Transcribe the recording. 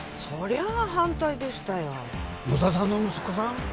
そりゃあ反対でしたよ・野田さんの息子さん？